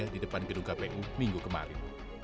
di depan gedung kpu minggu kemarin